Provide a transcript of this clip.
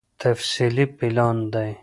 تفصيلي پلان دی